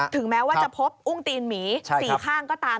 แม้ว่าจะพบอุ้งตีนหมี๔ข้างก็ตาม